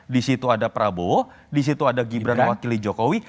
disitu ada prabowo disitu ada gibran wakili jokowi